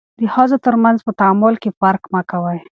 د ښځو ترمنځ په تعامل کې فرق مه کوئ.